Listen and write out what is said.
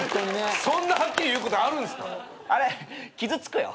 そんなはっきり言うことあるんすか？